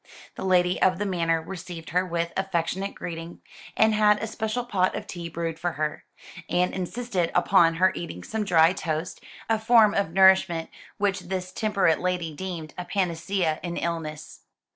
The lady of the manor received her with affectionate greeting, and had a special pot of tea brewed for her, and insisted upon her eating some dry toast, a form of nourishment which this temperate lady deemed a panacea in illness.